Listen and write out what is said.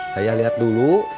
saya lihat dulu